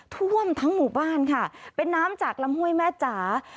ท่วมทั้งหมู่บ้านค่ะเป็นน้ำจากลำห้วยแม่จ๋า